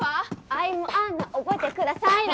Ｉ’ｍ アンナ覚えてくださいな？